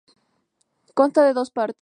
Consta de dos partes.